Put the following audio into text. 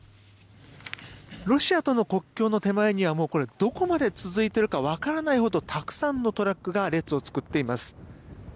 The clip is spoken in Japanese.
ロシアとの国境の手前にはもうこれ、どこまで続いてるかわからないほどたくさんのトラックが列を作っています。